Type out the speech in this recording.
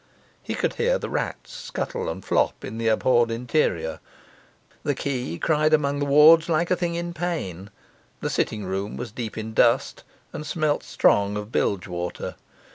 He could hear the rats scuttle and flop in the abhorred interior; the key cried among the wards like a thing in pain; the sitting room was deep in dust, and smelt strong of bilge water.